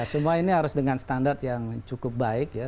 semua ini harus dengan standar yang cukup baik ya